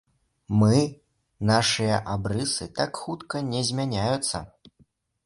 Мы, нашыя абрысы так хутка не змяняюцца.